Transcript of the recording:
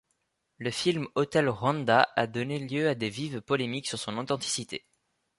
Le film Hôtel Rwanda a donné lieux à de vives polémiques sur son authenticité.